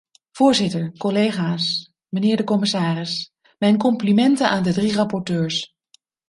Voorzitter, collega's, mijnheer de commissaris, mijn complimenten aan de drie rapporteurs.